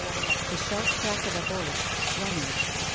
The sharp crack of a voice. Running.